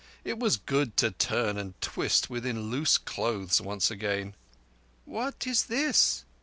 It was good to turn and twist within loose clothes once again. "What is this?"